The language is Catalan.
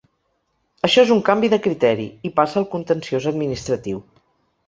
Això és un canvi de criteri, i passa al contenciós administratiu.